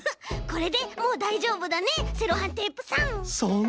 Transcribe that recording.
これでもうだいじょうぶだねセロハンテープさん。